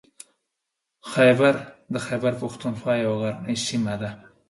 خیبر د خیبر پښتونخوا یوه غرنۍ سیمه ده.